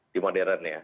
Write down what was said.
di modern ya